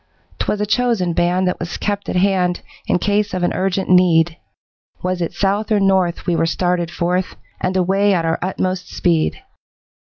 'Twas a chosen band that was kept at hand In case of an urgent need, Was it south or north we were started forth, And away at our utmost speed.